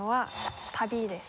「旅」です。